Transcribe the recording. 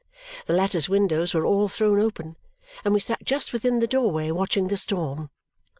The lattice windows were all thrown open, and we sat just within the doorway watching the storm.